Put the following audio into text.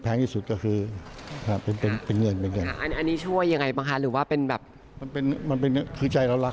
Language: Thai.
ถ้ามีโอกาสมาเป็นนักร้องเป็นอะไรเป็นเดาหรูอุดอรา